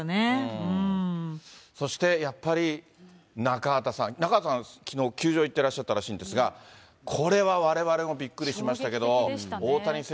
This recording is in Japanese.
そして、やっぱり中畑さん、中畑さん、きのう、球場行ってらっしゃったらしいんですが、これはわれわれもびっくりしましたけど。